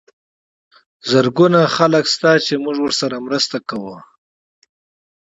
زرګونه خلک شته چې موږ ورسره مرسته کوو.